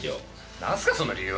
なんすかその理由は！